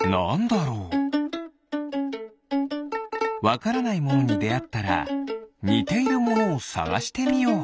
わからないものにであったらにているものをさがしてみよう！